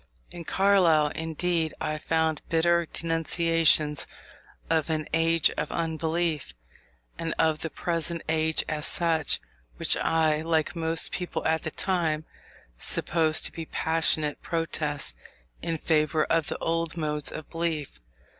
In Carlyle, indeed, I found bitter denunciations of an "age of unbelief," and of the present age as such, which I, like most people at that time, supposed to be passionate protests in favour of the old modes of belief.